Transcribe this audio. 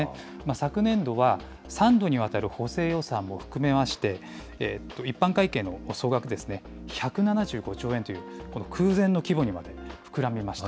昨年度は、３度にわたる補正予算も含めまして、一般会計の総額ですね、１７５兆円という、空前の規模に膨らみました。